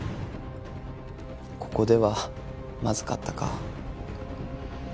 ここではまずかったか。